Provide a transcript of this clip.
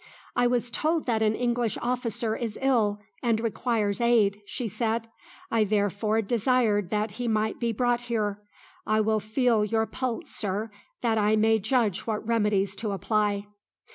"I was told that an English officer is ill, and requires aid," she said. "I therefore desired that he might be brought here. I will feel your pulse, sir, that I may judge what remedies to apply."